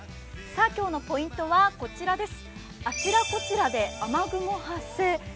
今日のポイントはあちらこちらで雨雲発生。